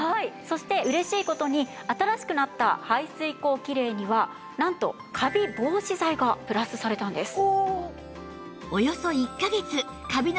そして嬉しい事に新しくなった排水口キレイにはなんとカビ防止剤がプラスされたんです。